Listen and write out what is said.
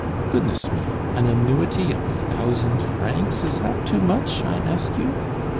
Goodness me! an annuity of a thousand francs, is that too much, I ask you?...